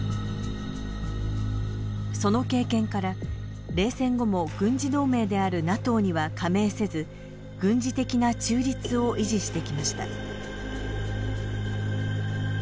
その経験から冷戦後も軍事同盟であるＮＡＴＯには加盟せず軍事的な中立を維持してきました。